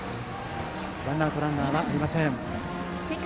ワンアウトランナーはありません。